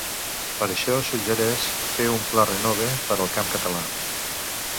Per això, suggereix fer un ‘Pla renove’ per al camp català.